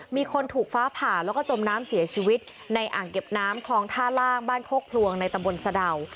มีคนถูกฟ้าผ่าแล้วก็จมน้ำเสียชีวิตในอ่างเก็บน้ำคลองท่าล่างบ้านโคกพลวงในตำบลสะดาว